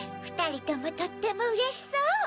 ふたりともとってもうれしそう！